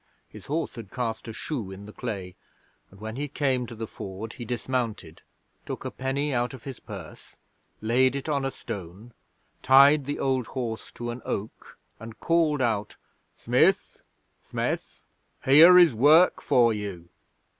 His horse had cast a shoe in the clay, and when he came to the Ford he dismounted, took a penny out of his purse, laid it on a stone, tied the old horse to an oak, and called out: "Smith, Smith, here is work for you!"